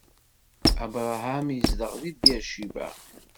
Abṛaham izdeɣ di Bir Cibaɛ.